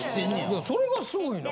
いやそれがすごいな。